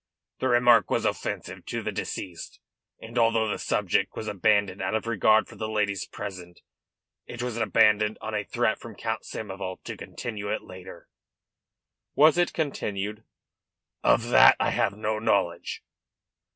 The remark was offensive to the deceased, and although the subject was abandoned out of regard for the ladies present, it was abandoned on a threat from Count Samoval to continue it later." "Was it so continued?" "Of that I have no knowledge."